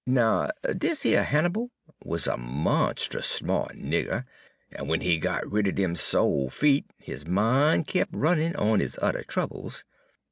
"Now, dis yer Hannibal was a monst'us sma't nigger, en w'en he got rid er dem so' feet, his min' kep' runnin' on 'is udder troubles.